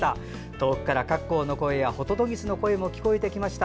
遠くからカッコウの声やホトトギスの声も聞かれてきました。